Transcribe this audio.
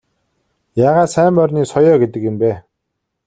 Яагаад сайн морины соёо гэдэг юм бэ?